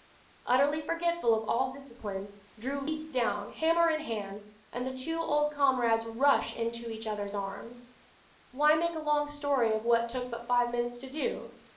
Utterly forgetful of all discipline, Drew leaps down, hammer in hand, and the two old comrades rush into each other's arms. Why make a long story of what took but five minutes to do?